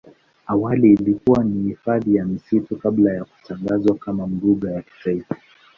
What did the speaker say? Awali ilikuwa ni hifadhi ya misitu kabla ya kutangazwa kama mbuga ya kitaifa.